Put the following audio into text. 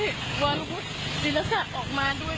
เจ้าที่เดินข้างทางนี้ผมเปิดทางให้ลูกออกมาได้ด้วยเถิด